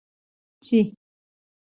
چې: